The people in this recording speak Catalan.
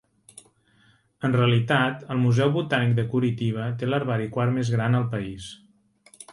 En realitat, el Museu Botànic de Curitiba té l'herbari quart més gran al país.